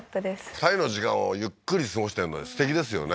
２人の時間をゆっくり過ごしてるのすてきですよね